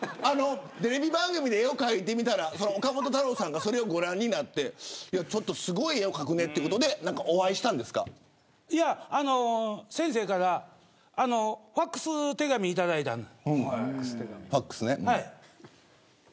テレビ番組で絵を描いてみたら岡本太郎さんがご覧になってすごい絵を描くねということでお会いしたんですかいや、先生からＦＡＸ手紙いただいたんで。